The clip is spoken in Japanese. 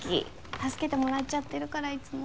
助けてもらっちゃってるからいつも。